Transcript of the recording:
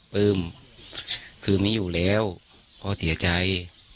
ปลื้มคือไม่อยู่แล้วพ่อเสียใจ